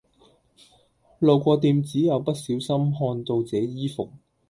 路過店子又不小心看到這衣服